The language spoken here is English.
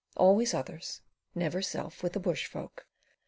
Always others, never self, with the bush folk.